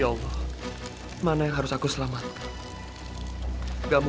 tidak ada yang harus aku selamatkan